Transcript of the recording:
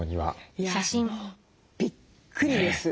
いやびっくりです。